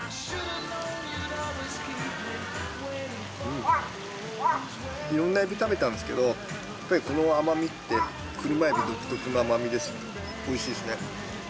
まずはいろんな海老食べたんですけどやっぱりこの甘みって車海老独特の甘みで美味しいですね。